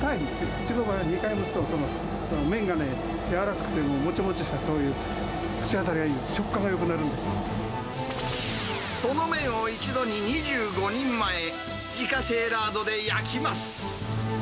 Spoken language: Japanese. うちの場合は２回蒸すと、麺がね、柔らかくてもちもちした、そういう口当たりがいい、食感がよくなその麺を一度に２５人前、自家製ラードで焼きます。